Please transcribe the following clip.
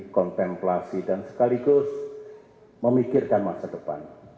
kontemplasi dan sekaligus memikirkan masa depan